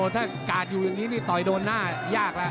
ถ้าการอยู่ตรงนี้ต่อยโดนหน้ายากละ